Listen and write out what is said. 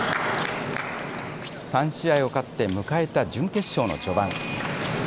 ３試合を勝って迎えた準決勝の序盤。